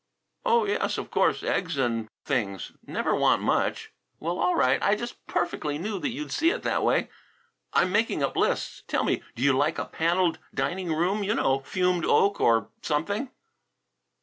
"Oh, yes, of course; eggs and things. Never want much." "Well, all right, I just perfectly knew you'd see it that way. I'm making up lists. Tell me, do you like a panelled dining room, you know, fumed oak, or something?"